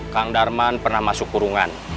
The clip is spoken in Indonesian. kang darman pernah masuk kurungan